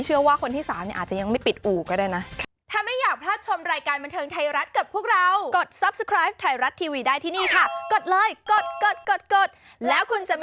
เชื่อว่าคนที่๓อาจจะยังไม่ปิดอู่ก็ได้นะ